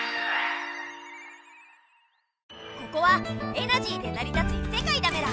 ここはエナジーでなり立ついせかいだメラ。